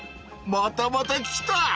またまた来た！